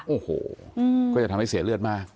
โอ้โหก็จะทำให้เสียเลือดมาก